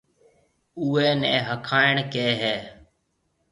اوئيَ نيَ ھکايڻ ڪھيََََ ھيََََ